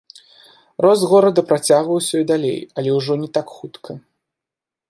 Рост горада працягваўся і далей, але ўжо не так хутка.